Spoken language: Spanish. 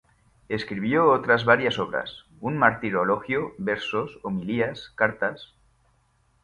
Escribió otras varias obras: un Martirologio, versos, homilías, cartas.